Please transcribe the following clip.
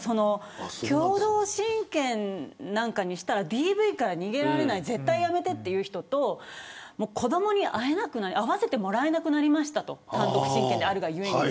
共同親権なんかにしたらＤＶから逃げられない絶対やめて、という人と子どもに会わせてもらえなくなりましたと単独親権であるがゆえに。